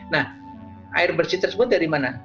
nah air bersih tersebut dari mana